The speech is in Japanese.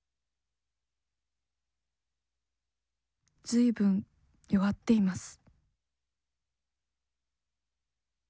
「ずいぶん弱っています」。